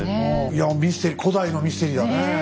いやミステリー古代のミステリーだね。